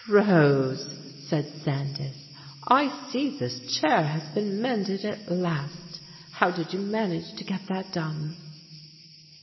"Rose," said Sandys, "I see this chair has been mend ed at last. How did you manage to get that done?"